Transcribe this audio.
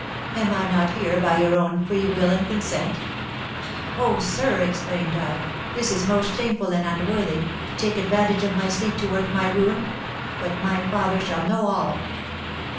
Am I not here by your own free will and consent?' 'Oh, sir!' exclaimed I, 'this is most shameful and unworthy, to take advantage of my sleep to work my ruin; but my father shall know all!'